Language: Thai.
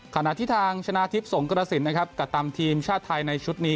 ขณะที่ทางชนะทิพย์สงกระสินนะครับกระตันทีมชาติไทยในชุดนี้